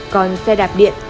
còn xe đạp điện